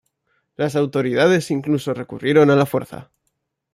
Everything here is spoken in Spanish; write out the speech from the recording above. Las autoridades incluso recurrieron a la fuerza.